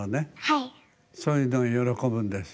そういうの喜ぶんですよ。